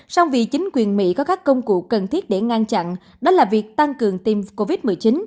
song vì chính quyền mỹ có các công cụ cần thiết để ngăn chặn đó là việc tăng cường tiêm covid một mươi chín